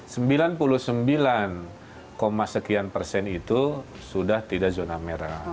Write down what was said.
sembilan puluh sembilan sekian persen itu sudah tidak zona merah